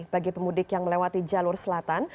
bagi pemudik yang melewati jalur selatan